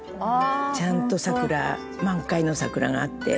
「ちゃんと桜満開の桜があって」